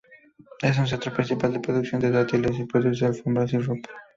Es un centro principal de producción de dátiles y produce alfombras y ropa.